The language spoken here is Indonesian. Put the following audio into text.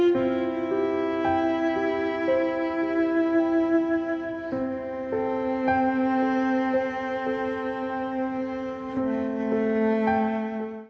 ketika berada di kota dia berani menjalankan tugasnya selama dipercaya menjalankan amanah ini